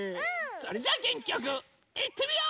それじゃあげんきよくいってみよう！